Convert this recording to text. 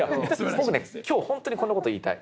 僕ね今日本当にこの事言いたい。